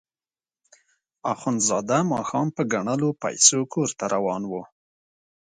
اخندزاده ماښام په ګڼلو پیسو کور ته روان وو.